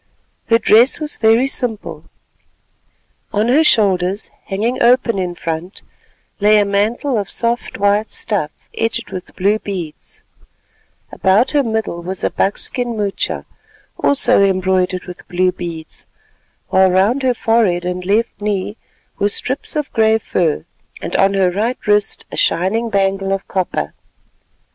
Her dress was very simple. On her shoulders, hanging open in front, lay a mantle of soft white stuff edged with blue beads, about her middle was a buck skin moocha, also embroidered with blue beads, while round her forehead and left knee were strips of grey fur, and on her right wrist a shining bangle of copper.